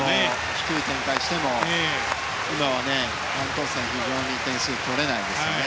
低い展開をしても今はアントンセン点数が取れないですね。